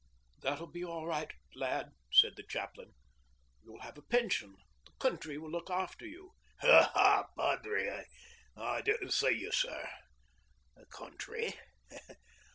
'That'll be all right, my lad,' said the chaplain. 'You'll have a pension. The country will look after you.' 'Ah, padre I didn't see you, sir. The country?